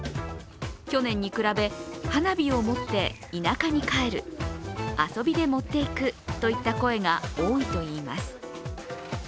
去年に比べ、花火を持って田舎に帰る、遊びで持っていくといった声が多いといいます。